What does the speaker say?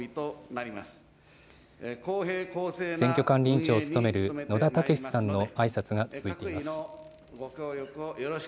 選挙管理委員長を務める野田毅さんのあいさつが続いています。